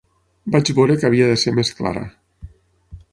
Vaig veure que havia de ser més clara.